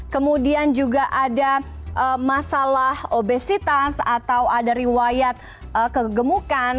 kemudian juga ada masalah obesitas atau ada riwayat kegemukan